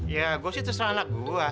ya gue sih terserah gue